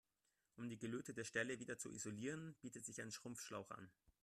Um die gelötete Stelle wieder zu isolieren, bietet sich ein Schrumpfschlauch an.